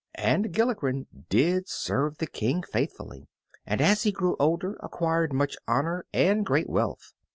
And Gilligren did serve the King faithfully, and as he grew older acquired much honor and great wealth.